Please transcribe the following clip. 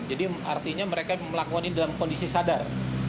jadi artinya mereka melakukan ini dalam kondisi sadar